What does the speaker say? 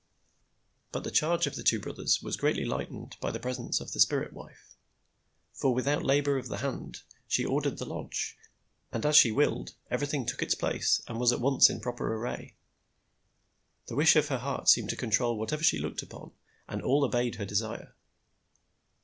But the charge of the two brothers was greatly lightened by the presence of the spirit wife; for without labor of the hand she ordered the lodge, and as she willed everything took its place and was at once in proper array. The wish of her heart seemed to control whatever she looked upon, and all obeyed her desire.